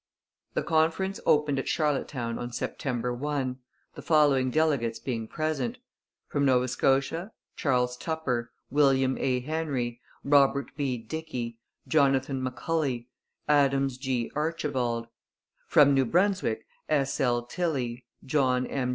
The conference opened at Charlottetown on September 1, the following delegates being present: from Nova Scotia, Charles Tupper, William A. Henry, Robert B. Dickey, Jonathan McCully, Adams G. Archibald; from New Brunswick, S. L. Tilley, John M.